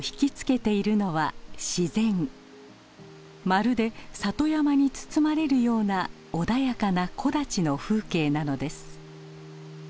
まるで里山に包まれるような穏やかな木立の風景なのです。